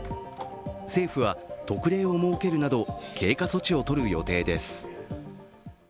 政府は、特例を設けるなど、経過措置をとる予定です。